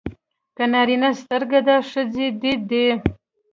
که نارینه سترګه ده ښځه يې دید دی.